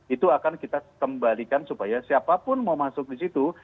itu akan kita kembalikan supaya siapapun mau masuk di situ